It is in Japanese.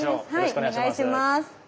お願いします。